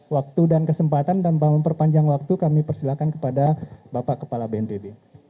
waktu dan kesempatan dan memperpanjang waktu kami persilahkan kepada bapak kepala bnpb